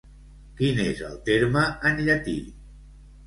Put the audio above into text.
Quin és el terme en llatí?